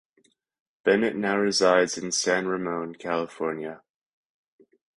Bennett now resides in San Ramon, California.